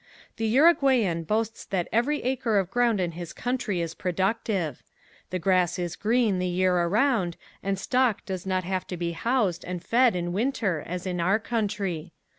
The Uruguayan boasts that every acre of ground in his country is productive. The grass is green the year around and stock does not have to be housed and fed in winter as in our country.